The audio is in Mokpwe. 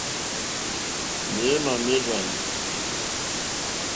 Méémà mèrzàlì.